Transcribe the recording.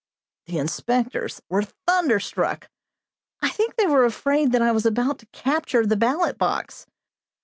The inspectors were thunderstruck. I think they were afraid that I was about to capture the ballot box.